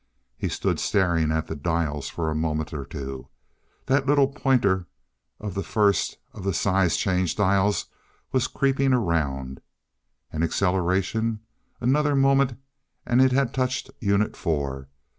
He stood staring at the dials for a moment or two. That little pointer of the first of the size change dials was creeping around. An acceleration! Another moment and it had touched Unit four.